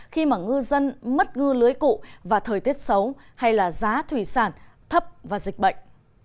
khi mà ngư dân mất ngư lưới cụ và thời tiết xấu hay là giá thủy sản thấp và dịch bệnh